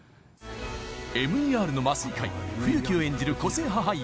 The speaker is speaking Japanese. ＭＥＲの麻酔科医冬木を演じる個性派俳優